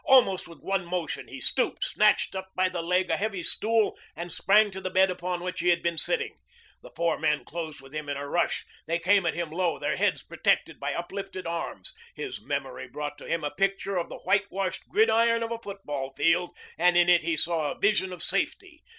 Almost with one motion he stooped, snatched up by the leg a heavy stool, and sprang to the bed upon which he had been sitting. The four men closed with him in a rush. They came at him low, their heads protected by uplifted arms. His memory brought to him a picture of the whitewashed gridiron of a football field, and in it he saw a vision of safety.